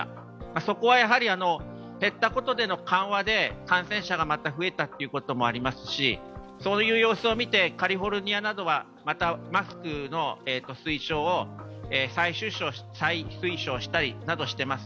そこは減ったことでの緩和で感染者がまた増えたということもありますしそういう様子を見て、カリフォルニアなどはまたマスクの推奨を再推奨したりなどしています。